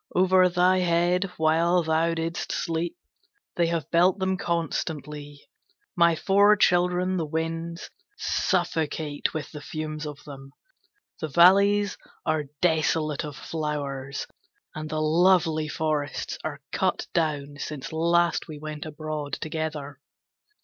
Over thy head while thou didst sleep they have built them constantly. My four children the Winds suffocate with the fumes of them, the valleys are desolate of flowers, and the lovely forests are cut down since last we went abroad together.'